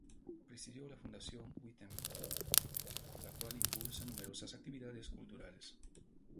Presidió la Fundación Winterthur, la cual impulsa numerosas actividades culturales.